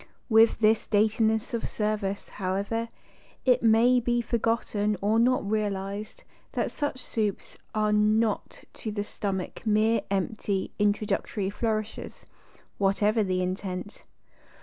With this daintiness of service, however, it may be forgotten or not realised that such soups are not to the stomach mere empty, introductory flourishes, whatever the intent.